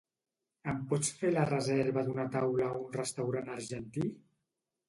Em pots fer la reserva d'una taula a un restaurant argentí?